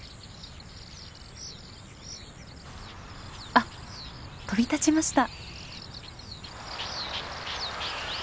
あっ飛び立ちました。